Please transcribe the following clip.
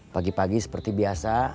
pagi pagi seperti biasa